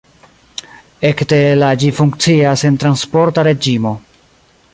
Ekde la ĝi funkcias en transporta reĝimo.